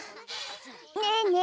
ねえねえ